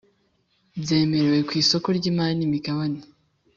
byemerewe ku isoko ry imari n imigabane